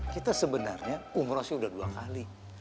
kita sebenarnya umroh sih udah dua kali